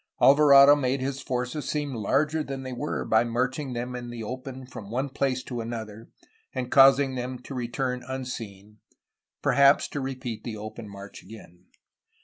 Alvarado made his forces seem larger than they were by marching them in the open from one place WAITING FOR OLD GLORY, 1835 1847 475 to another and causing them to return unseen, perhaps to repeat the open march again.